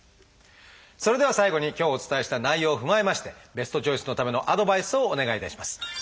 それでは最後に今日お伝えした内容を踏まえましてベストチョイスのためのアドバイスをお願いいたします。